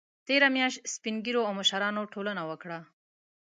تېره میاشت سپین ږیرو او مشرانو ټولنه وکړه